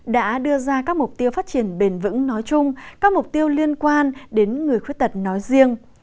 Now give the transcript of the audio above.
đã đưa ra các mục tiêu phát triển bền vững nói chung các mục tiêu liên quan đến người khuyết tật nói riêng